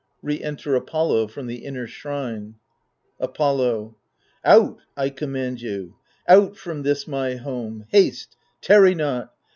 [Re ^nter Apollo from the inner shrine, Apollo Out 1 I command you. Out from this my home — Haste, tarry not